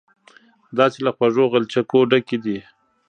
داسې له خوږو غلچکو ډکې دي.